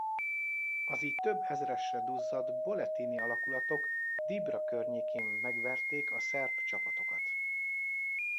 Az így több ezresre duzzadt Boletini-alakulatok Dibra környékén megverték a szerb csapatokat.